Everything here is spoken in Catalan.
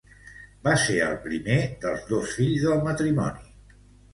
Va ser el primer dels dos fills del matrimoni.